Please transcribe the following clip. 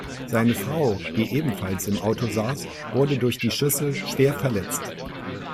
Seine Frau, die ebenfalls im Auto saß, wurde durch die Schüsse schwer verletzt.